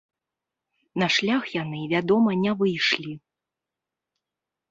На шлях яны, вядома, не выйшлі.